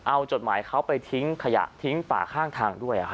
เอาจดหมายเขาไปทิ้งขยะทิ้งป่าข้างทางด้วย